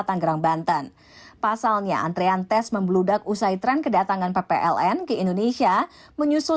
tanggerang banten pasalnya antrean tes membludak usai tren kedatangan ppln ke indonesia menyusul